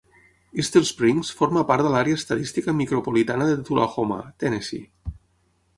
Estill Springs forma part de l'àrea estadística micropolitana de Tullahoma, Tennessee.